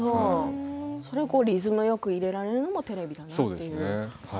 それをリズムよく入れられるのもテレビだなっていう。